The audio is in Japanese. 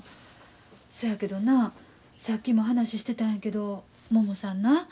そやけどなさっきも話してたんやけどももさんな